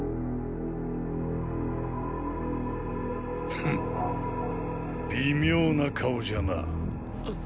フッ微妙な顔じゃな。！